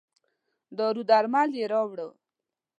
دارو درمل یې راووړل.